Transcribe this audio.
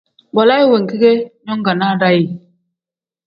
Balaayi wenki ge nyongonaa daa ye ?